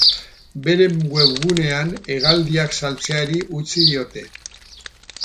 Beren webgunean hegaldiak saltzeari utzi diote.